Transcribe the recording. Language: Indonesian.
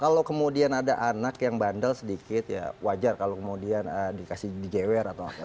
kalau kemudian ada anak yang bandel sedikit ya wajar kalau kemudian dikasih digewer atau apa